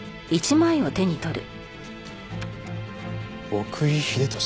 「奥居秀俊」。